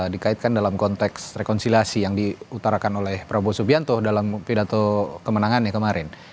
dikaitkan dalam konteks rekonsiliasi yang diutarakan oleh prabowo subianto dalam pidato kemenangannya kemarin